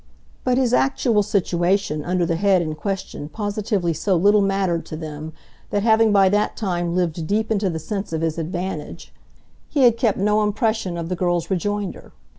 But his actual situation under the head in question positively so little mattered to them that, having by that time lived deep into the sense of his advantage, he had kept no impression of the girl's rejoinder.